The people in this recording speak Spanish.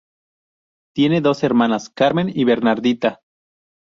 Tiene dos hermanas, Carmen y Bernardita.